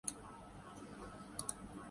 رہی دادی تو گھر میں سب سے بڑی فتنہ پرور وہی ہے۔